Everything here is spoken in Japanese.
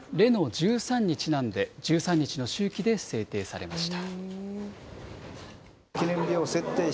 １３にちなんで、１３日の周期で制定されました。